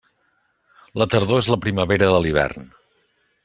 La tardor és la primavera de l'hivern.